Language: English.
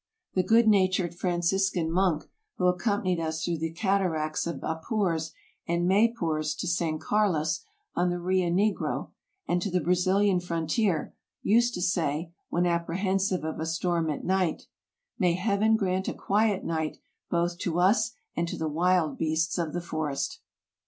The good natured Franciscan monk who ac companied us through the cataracts of Apures and Maypures to San Carlos, on the Rio Negro, and to the Brazilian frontier, used to say, when apprehensive of a storm at night, " May Heaven grant a quiet night both to us and to the wild beasts of the forest